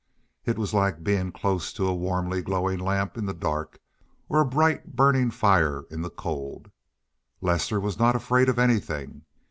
It was like being close to a warmly glowing lamp in the dark or a bright burning fire in the cold. Lester was not afraid of anything.